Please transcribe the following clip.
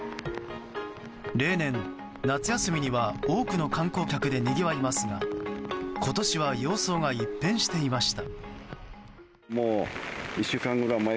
例年、夏休みには多くの観光客でにぎわいますが今年は様相が一変していました。